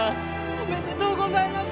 おめでとうございます！